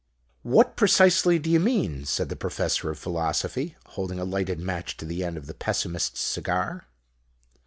"What precisely do you mean?" said the Professor of Philosophy, holding a lighted match to the end of the Pessimist's cigar.